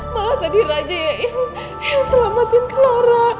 malah tadi raja yang selamatin clara